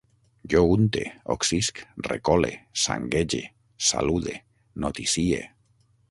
Jo unte, occisc, recole, sanguege, salude, noticie